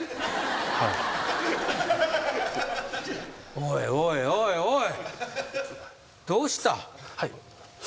おいおいおいおい。